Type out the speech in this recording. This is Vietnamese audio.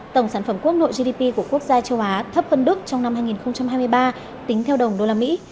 tổng sản phẩm quốc nội gdp của quốc gia châu á thấp hơn đức trong năm hai nghìn hai mươi ba tính theo đồng đô la mỹ